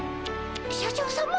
社長さま。